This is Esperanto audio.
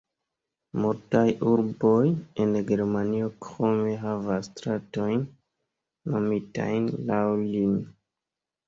Multaj urboj en Germanio krome havas stratojn nomitajn laŭ li.